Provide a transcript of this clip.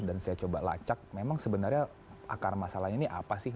dan saya coba lacak memang sebenarnya akar masalah ini apa sih